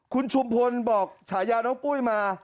คุณชุมพลบอกฉายาน้องปุ้ยมา